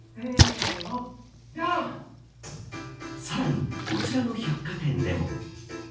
さらに、こちらの百貨店でも。